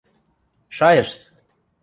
Шайышт!